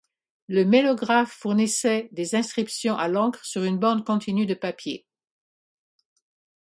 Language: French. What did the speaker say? Le mélographe fournissait des inscriptions à l’encre sur une bande continue de papier.